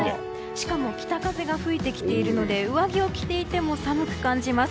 しかも北風が吹いてきているので上着を着ていても寒く感じます。